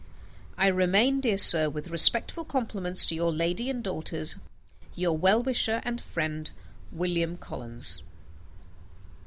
I remain, dear sir, with respectful compliments to your lady and daughters, your well wisher and friend, "WILLIAM COLLINS."